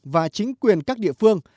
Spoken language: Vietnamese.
và chính quyền các địa phương